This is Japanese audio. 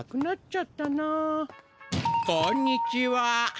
こんにちは。